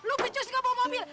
lo pecus enggak mau mobil